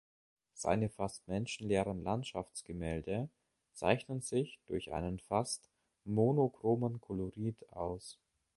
Seine fast menschenleeren Landschaftsgemälde zeichnen sich durch einen fast monochromen Kolorit aus.